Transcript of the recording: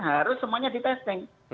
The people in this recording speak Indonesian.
harus semuanya di testing